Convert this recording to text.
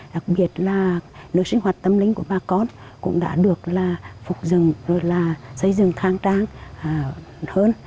đặc biệt là nơi sinh hoạt tâm linh của bà con cũng đã được là phục rừng rồi là xây dựng khang trang hơn